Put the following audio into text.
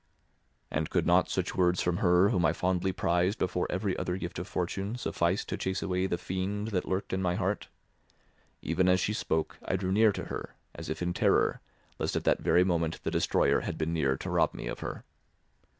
And could not such words from her whom I fondly prized before every other gift of fortune suffice to chase away the fiend that lurked in my heart? Even as she spoke I drew near to her, as if in terror, lest at that very moment the destroyer had been near to rob me of her.